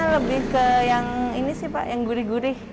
lebih ke yang ini sih pak yang gurih gurih